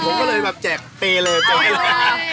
ผมก็เลยแบบแจกเปรย์เลยจริง